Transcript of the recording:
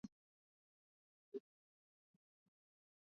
Ndege inaingia